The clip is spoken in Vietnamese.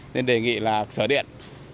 nên đề nghị là sở điện